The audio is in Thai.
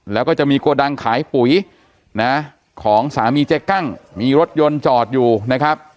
แล้วก็จะมีโกดังขายปุ๋ยนะของสามีเจ๊กั้งมีรถยนต์จอดอยู่นะครับ